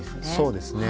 そうですね。